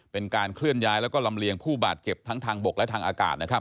เป็นการเคลื่อนย้ายแล้วก็ลำเลียงผู้บาดเจ็บทั้งทางบกและทางอากาศนะครับ